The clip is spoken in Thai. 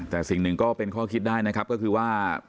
แต่สิ่งหนึ่งก็เป็นข้อคิดได้นะครับก็คือว่า